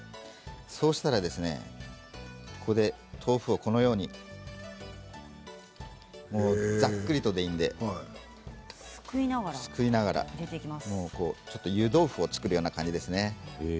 そうしたら豆腐をこのようにざっくりとでいいのですくいながら湯豆腐を作るような感じですね。